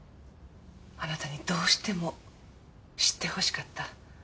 あなたにどうしても知ってほしかった。